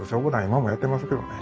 今もやってますけどね。